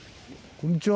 こんにちは。